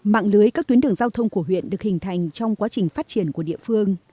mạng lưới các tuyến đường giao thông của huyện được hình thành trong quá trình phát triển của địa phương